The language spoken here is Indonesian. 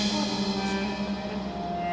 selamat tinggal puteraku